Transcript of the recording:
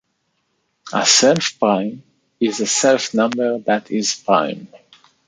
A self prime is a self number that is prime.